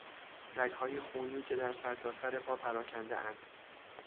رگهای خونی که در سرتاسر پا پراکندهاند